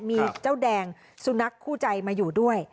มีเจ้าแดงสุนัขคู่ใจมาอยู่ด้วย